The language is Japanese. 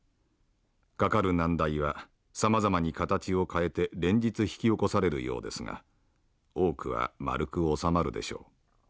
かかる難題はさまざまに形を変えて連日引き起こされるようですが多くはまるく収まるでしょう。